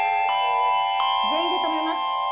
全員で止めます。